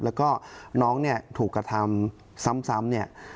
แล้วก็น้องเนี่ยถูกกระทำซ้ำเนี่ย